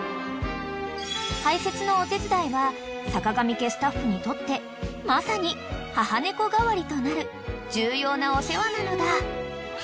［排せつのお手伝いはさかがみ家スタッフにとってまさに母猫代わりとなる重要なお世話なのだ］